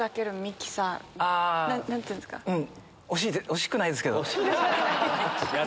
惜しくないですか。